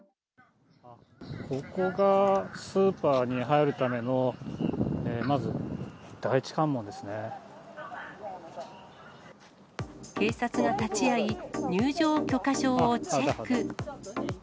ここがスーパーに入るための、警察が立ち会い、入場許可証をチェック。